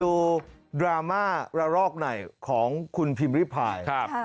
ดราม่าระรอกหน่อยของคุณพิมพ์ริพาย